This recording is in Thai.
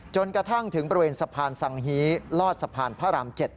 จนกระทั่งถึงบริเวณสะพานสังฮีลอดสะพานพระราม๗